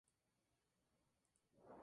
Las grandes flores se producen en primavera.